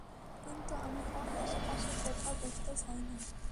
কিন্তু আমি ওর আশেপাশে কোথাও বসতে চাই না।